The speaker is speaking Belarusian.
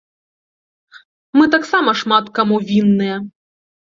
Мы таксама шмат каму вінныя.